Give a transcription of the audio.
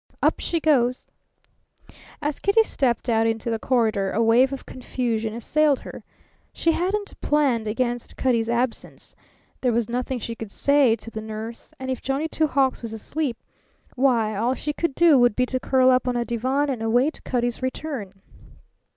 "Up she goes!" As Kitty stepped out into the corridor a wave of confusion assailed her. She hadn't planned against Cutty's absence. There was nothing she could say to the nurse; and if Johnny Two Hawks was asleep why, all she could do would be to curl up on a divan and await Cutty's return.